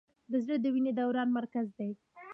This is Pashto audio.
زړه د وینې دوران مرکز دی.